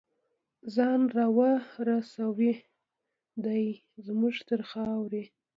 ځان راورسوي دی زمونږ تر خاورې